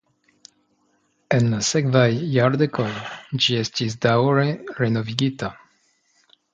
En la sekvaj jardekoj ĝi estis daŭre renovigita.